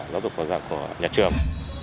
giáo dục của nhà trường